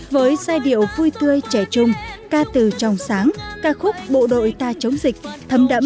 với giai điệu vui tươi trẻ trung ca từ trong sáng ca khúc bộ đội ta chống dịch thấm đẫm